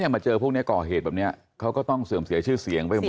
มาเจอพวกนี้ก่อเหตุแบบนี้เขาก็ต้องเสื่อมเสียชื่อเสียงไปหมด